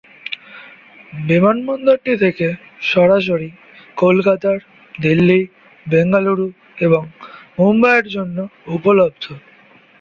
বিমানবন্দরটি থেকে সরাসরি কলকাতার, দিল্লি, বেঙ্গালুরু এবং মুম্বাইয়ের জন্য উপলব্ধ।